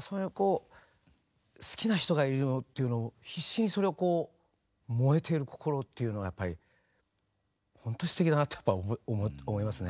それをこう好きな人がいるよっていうのを必死にそれをこう燃えてる心っていうのはやっぱりほんとにすてきだなってやっぱ思いますね。